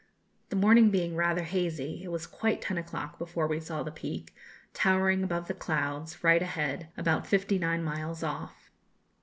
The morning being rather hazy, it was quite ten o'clock before we saw the Peak, towering above the clouds, right ahead, about fifty nine miles off.